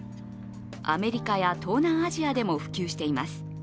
アメリカや東南アジアでも普及しています。